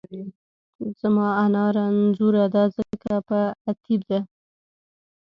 زما انا رنځورۀ دۀ ځکه په اتېب دۀ